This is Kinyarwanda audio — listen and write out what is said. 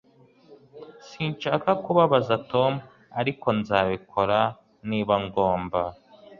Sinshaka kubabaza Tom ariko nzabikora niba ngomba